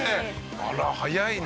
あら早いね。